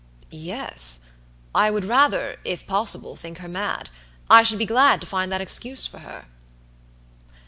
"Yes, I would rather, if possible, think her mad; I should be glad to find that excuse for her."